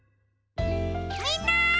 みんな！